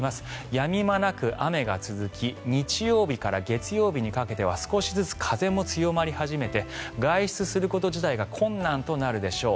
やみ間なく雨が続き日曜日から月曜日にかけては少しずつ風も強まり始めて外出すること自体が困難となるでしょう。